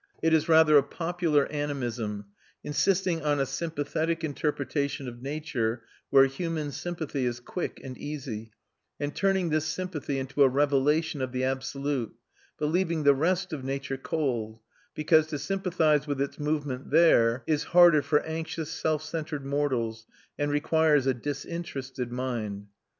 It is rather a popular animism, insisting on a sympathetic interpretation of nature where human sympathy is quick and easy, and turning this sympathy into a revelation of the absolute, but leaving the rest of nature cold, because to sympathise with its movement there is harder for anxious, self centred mortals, and requires a disinterested mind.